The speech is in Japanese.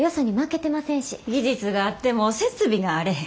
技術があっても設備があれへん。